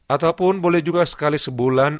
ataupun boleh juga sekali sebulan